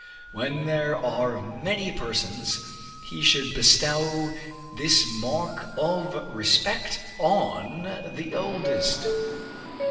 When there are many persons, he should bestow this mark of respect on the oldest.